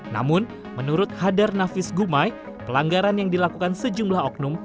namun menurut hadar nafis gumai pelanggaran yang dilakukan sejumlah oknum